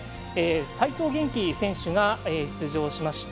齋藤元希選手が出場しました